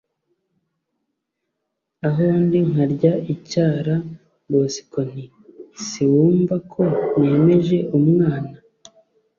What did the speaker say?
ahondi nkarya icyara bosco nti siwumva ko nemeje umwana